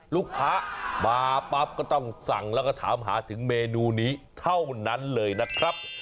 ลูกค้ามาปั๊บก็ต้องสั่งแล้วก็ถามหาถึงเมนูนี้เท่านั้นเลยนะครับ